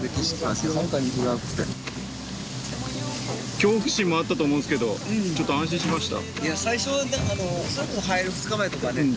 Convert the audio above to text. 恐怖心もあったと思うんですけどちょっと安心しました。